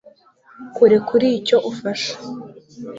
kurekuricyo ufashe